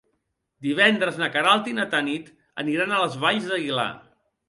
Divendres na Queralt i na Tanit aniran a les Valls d'Aguilar.